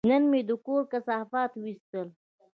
نن مې د کور کثافات وایستل.